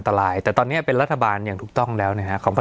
สวัสดีครับทุกผู้ชม